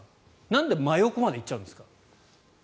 なんで真横まで行っちゃうんですか。